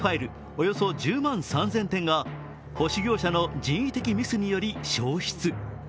およそ１０万３０００点が保守業者の人為的ミスにより消失。